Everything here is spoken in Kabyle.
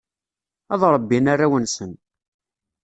Ad rebbin arraw-nsen.